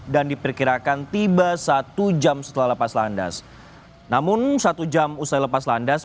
dan diperkirakan tiba satu jam setelah